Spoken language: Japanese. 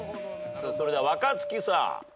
それでは若槻さん。